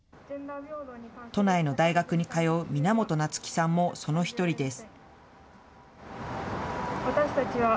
都内の大学に通う皆本夏樹さんもその１人です。